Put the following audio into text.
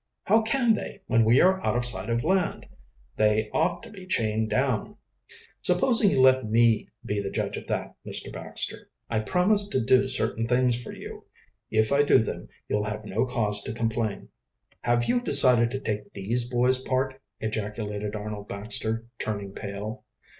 "How can they, when we are out of sight of land?" "They ought to be chained down." "Supposing you let me be the judge of that, Mr. Baxter. I promised to do certain things for you. If I do them, you'll have no cause to complain." "Have you decided to take these boys' part?" ejaculated Arnold Baxter, turning pale.